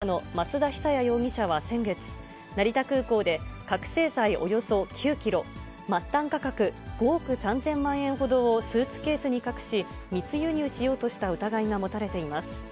東京税関によりますと、無職の松田義一容疑者と自称経営者の松田久哉容疑者は先月、成田空港で、覚醒剤およそ９キロ、末端価格５億３０００万円ほどをスーツケースに隠し、密輸入しようとした疑いが持たれています。